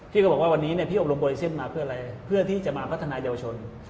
พี่ก็บอกว่าวันนี้พี่อบรมบริเซียมมาเพื่ออะไรเพื่อที่จะมาพัฒนายาวชน